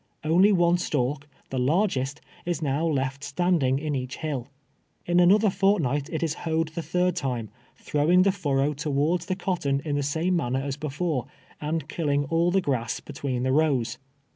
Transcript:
Only one stalk, the largest, is now left standing in each hill. In another fortnight it is hoed the third time, throwing the furrow towards the cotton in the same manner as before, and killing all the grass be tween the rows.